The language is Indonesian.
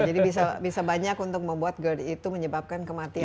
bisa banyak untuk membuat gerd itu menyebabkan kematian